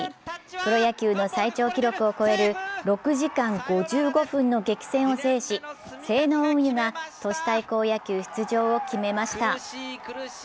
プロ野球の最長記録を超える６時間５５分の激戦を制し、西濃運輸が都市対抗野球出場を決めました。